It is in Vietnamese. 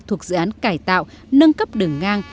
thuộc dự án cải tạo nâng cấp đường ngang